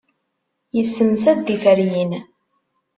Yessemsad tiferyin.